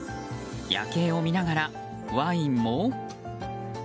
夜景を見ながらワインも。